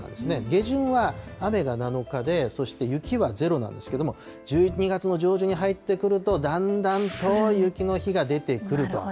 下旬は雨が７日でそして雪は０なんですけれども、１２月の上旬に入ってくると、だんだんと雪の日が出てくると。